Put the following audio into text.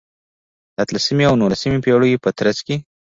د اتلسمې او نولسمې پېړیو په ترڅ کې.